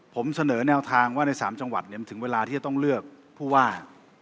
ผมเสนอแนวทางว่าใน๓จังหวัดมันถึงเวลาที่จะต้องเลือกผู้ว่า